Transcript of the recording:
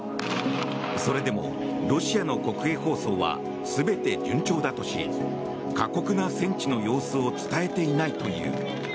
それでもロシアの国営放送は全て順調だとし過酷な戦地の様子を伝えていないという。